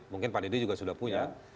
mungkin pak dede juga sudah punya